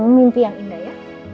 mimpi yang indah ya